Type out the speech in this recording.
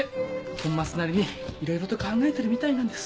コンマスなりにいろいろと考えてるみたいなんです。